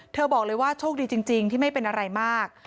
บอกเลยว่าโชคดีจริงที่ไม่เป็นอะไรมาก